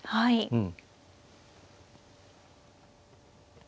うん。